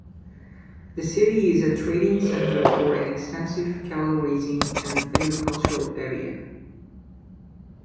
The city is a trading centre for an extensive cattle-raising and agricultural area.